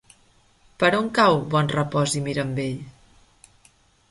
Per on cau Bonrepòs i Mirambell?